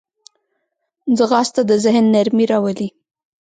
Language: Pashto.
ځغاسته د ذهن نرمي راولي